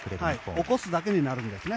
起こすだけになるんですね。